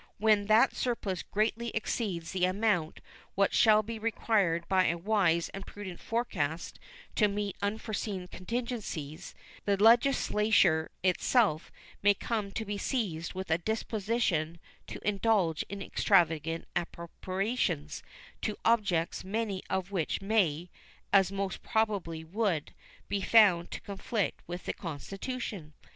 When that surplus greatly exceeds in amount what shall be required by a wise and prudent forecast to meet unforeseen contingencies, the Legislature itself may come to be seized with a disposition to indulge in extravagant appropriations to objects many of which may, and most probably would, be found to conflict with the Constitution.